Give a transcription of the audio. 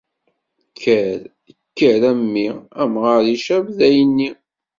Kker kker a mmi, amɣar icab dayenni.